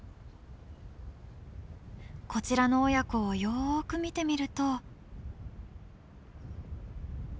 こちらの親子をよく見てみると。